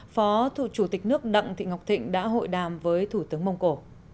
phó chủ tịch nước đặng thị ngọc thịnh đã hội đàm với thủ tướng mông cổ